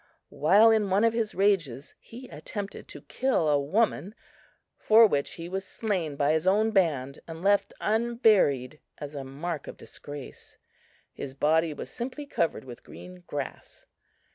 While in one of his rages he attempted to kill a woman, for which he was slain by his own band and left unburied as a mark of disgrace his body was simply covered with green grass.